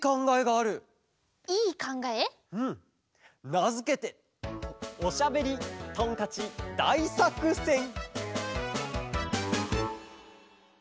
なづけて「おしゃべりトンカチだいさくせん」！